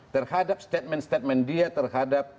terhadap statement statement dia terhadap